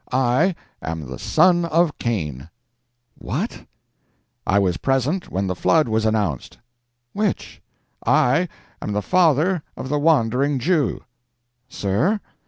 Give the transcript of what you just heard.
I am the son of Cain." "What?" "I was present when the flood was announced." "Which?" "I am the father of the Wandering Jew." "Sir?"